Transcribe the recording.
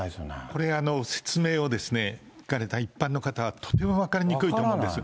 これ、説明を聞かれた一般の方はとても分かりにくいと思うんです。